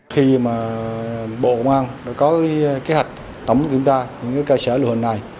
khi mà bộ công an đã có kế hoạch tổng kiểm tra những cơ sở lưu hình này